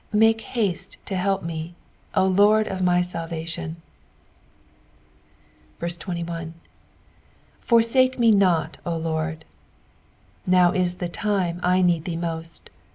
22 Make haste to help me, O Lord my salvation, 31. " JForiaie me not, 0 Lord." Now Is the time I need thee most.